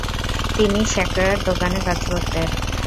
তিনি স্যাকরার দোকানে কাজ করতেন।